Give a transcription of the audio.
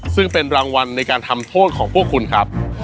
ซึ่งเป็นรางวัลในการทำโทษของพวกคุณครับ